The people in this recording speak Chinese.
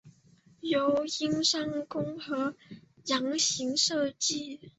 由英商公和洋行设计。